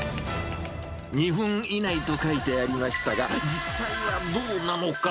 ２分以内と書いてありましたが、実際はどうなのか。